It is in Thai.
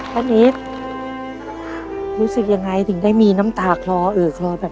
นิดรู้สึกยังไงถึงได้มีน้ำตาคลอเอ่อคลอแบบ